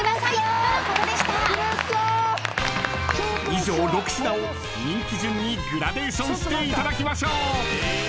［以上６品を人気順にグラデーションしていただきましょう］